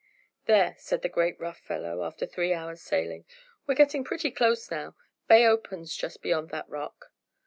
"There," said the great rough fellow, after three hours' sailing; "we're getting pretty close now. Bay opens just beyond that rock."